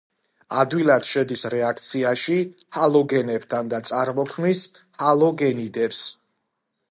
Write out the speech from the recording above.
ადვილად შედის რეაქციაში ჰალოგენებთან, და წარმოქმნის ჰალოგენიდებს.